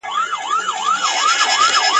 او که خدای دي په نصیب کړی انسان وي ..